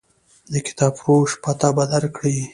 د کتابفروش پته به درکړي.